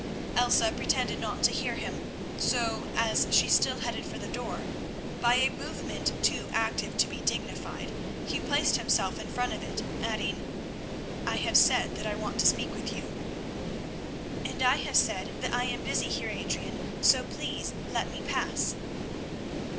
Elsa pretended not to hear him, so, as she still headed for the door, by a movement too active to be dignified, he placed himself in front of it, adding, "I have said that I want to speak with you." "And I have said that I am busy, Heer Adrian, so please let me pass."